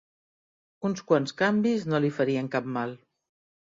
Uns quants canvis no li farien cap mal.